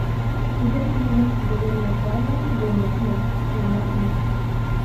Bu bir hili reňkleri görmek däl-de, duýmakmy, syzmakmy…